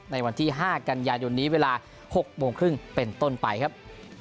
ในวันที่๕กันยายนนี้เวลา๖โมงครึ่งเป็นต้นไปครับ